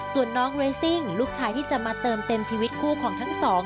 ส่วนน้องเรซิ่งลูกชายที่จะมาเติมเต็มชีวิตคู่ของทั้งสอง